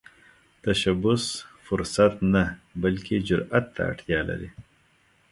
تشبث فرصت نه، بلکې جرئت ته اړتیا لري